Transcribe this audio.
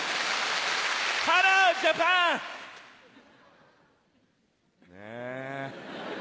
ハロジャパン！ねぇ。